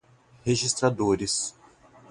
registradores